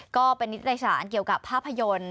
ก็เป็นนิตยสารเกี่ยวกับภาพยนตร์